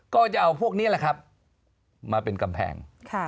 ก็จะเอาพวกนี้แหละครับมาเป็นกำแพง